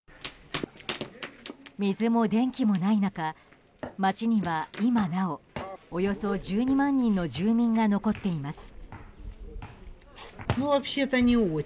水も電気もない中街には、今なおおよそ１２万人の住民が残っています。